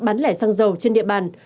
bán lẻ sang giàu trên địa bàn